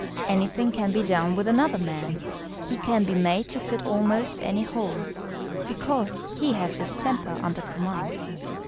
Anything can be done with another man, he can be made to fit almost any hole, because he has his temper under command.